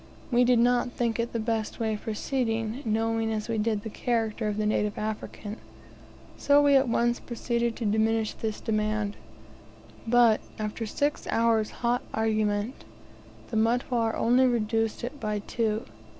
We did not think it the best way of proceeding, knowing as we did the character of the native African; so we at once proceeded to diminish this demand; but, after six hours' hot argument, the Mutware only reduced it by two.